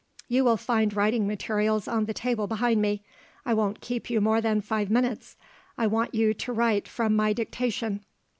"You will find writing materials on the table behind me. I won't keep you more than five minutes. I want you to write from my dictation."